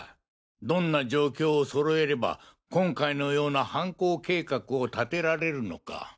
どんな状況を揃えれば今回のような犯行計画を立てられるのか。